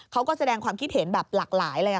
เขาก็แสดงความคิดเห็นแบบหลากหลายเลย